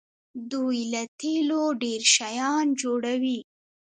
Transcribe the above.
دوی له تیلو ډیر شیان جوړوي.